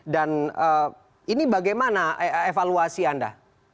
dan ini bagaimana evaluasi anda